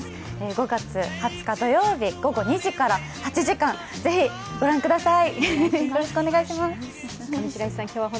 ５月２０日土曜日午後２時から８時間、ぜひご覧ください。